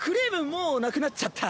もうなくなっちゃった。